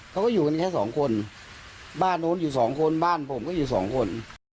เขาก็อยู่กันแค่สองคนบ้านโน้นอยู่สองคนบ้านผมก็อยู่สองคน